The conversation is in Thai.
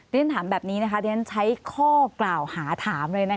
ที่ท่านถามแบบนี้นะคะที่ฉันใช้ข้อกล่าวหาถามเลยนะคะ